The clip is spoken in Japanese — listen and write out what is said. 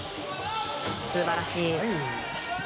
素晴らしい！